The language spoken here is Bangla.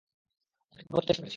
আমি সর্বোচ্চ চেষ্টা করেছি।